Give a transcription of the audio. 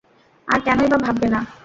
আর কেনই বা ভাববে না?